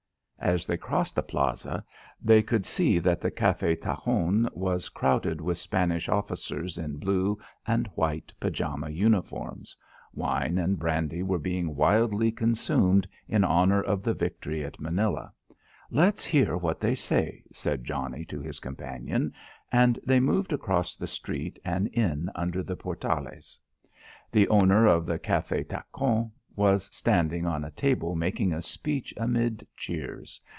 As they crossed the Plaza, they could see that the Café Tacon was crowded with Spanish officers in blue and white pajama uniforms. Wine and brandy was being wildly consumed in honour of the victory at Manila. "Let's hear what they say," said Johnnie to his companion, and they moved across the street and in under the portales. The owner of the Café Tacon was standing on a table making a speech amid cheers.